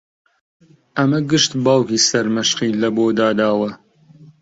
ئەمە گشت باوکی سەرمەشقی لەبۆ داداوە